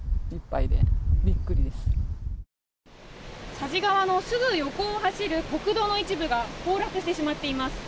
佐治川のすぐ横を走る国道の一部が崩落してしまっています。